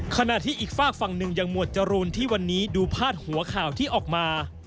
ขณะที่อีกฝากฝั่งหนึ่งอย่างหมวดจรูนที่วันนี้ดูพาดหัวข่าวที่ออกมา